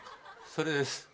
それです。